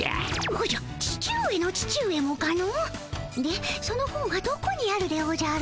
おじゃ父上の父上もかの？でその本はどこにあるでおじゃる？